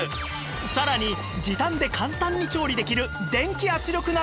さらに時短で簡単に調理できる電気圧力鍋も登場